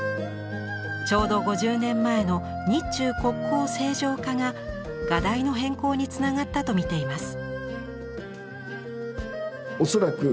ちょうど５０年前の日中国交正常化が画題の変更につながったと見ています。